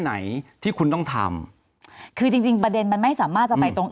ไหนที่คุณต้องทำคือจริงจริงประเด็นมันไม่สามารถจะไปตรง